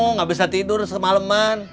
nggak bisa tidur semaleman